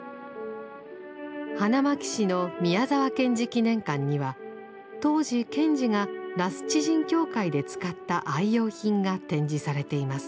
花巻市の宮沢賢治記念館には当時賢治が羅須地人協会で使った愛用品が展示されています。